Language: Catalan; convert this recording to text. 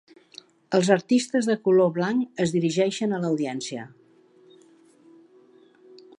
Els artistes de color blanc es dirigeixen a l"audiència.